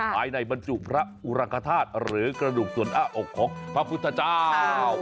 ภายในบรรจุพระอุรังคธาตุหรือกระดูกส่วนอ้าอกของพระพุทธเจ้า